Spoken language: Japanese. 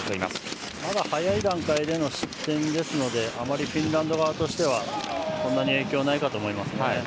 まだ早い段階での失点ですのであまりフィンランド側としてはそんなに影響ないかと思います。